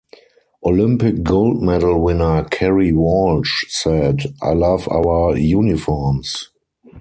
Olympic gold medal winner Kerry Walsh said, I love our uniforms.